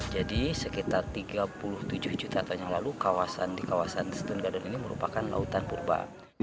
jadi sekitar tiga puluh tujuh juta tahun yang lalu di kawasan stone garden ini merupakan lautan purba